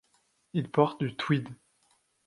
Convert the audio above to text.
Il porte du tweed.